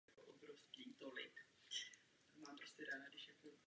Uvedeny jsou rovněž navazující televizní filmy.